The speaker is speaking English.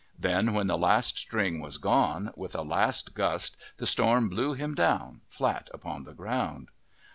Then when the last string was gone, with a last gust the storm blew him down, flat upon the ground.